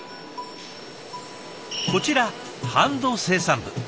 こちらハンド生産部。